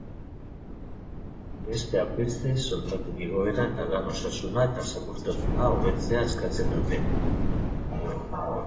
Besteak beste, soldaten igoera eta lan osasuna eta segurtasuna hobetzea eskatzen dute.